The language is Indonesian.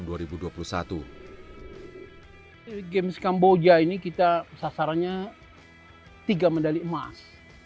di games kamboja ini kita sasarannya tiga medali emas